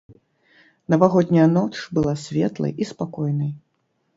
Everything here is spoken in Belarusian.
Навагодняя ноч была светлай і спакойнай.